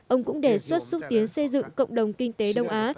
ông cũng đề xuất xúc tiến xây dựng cộng đồng kinh tế đông á